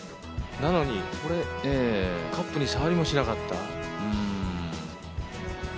なのにカップにさわりもしなかった。